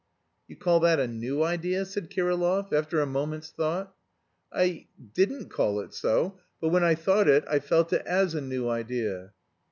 "You call that a new idea?" said Kirillov, after a moment's thought. "I... didn't call it so, but when I thought it I felt it as a new idea."